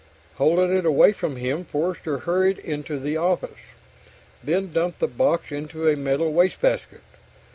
Holding it away from him, Forster hurried into the office, then dumped the box into a metal wastebasket.